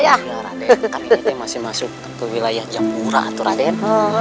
iya raden kami masih masuk wilayah japura raden